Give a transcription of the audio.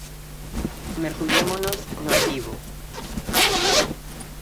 Mergullémonos no arquivo.